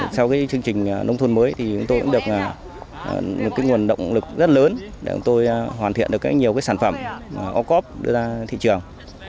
sau chương trình đồng thuận mới thì chúng tôi cũng được nguồn động lực rất lớn để chúng tôi hoàn thiện được nhiều sản phẩm ốc ốc đưa ra thị trường